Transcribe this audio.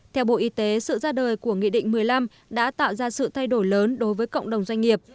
theo bộ y tế sự ra đời của nghị định một mươi năm đã tạo ra sự thay đổi lớn đối với cộng đồng doanh nghiệp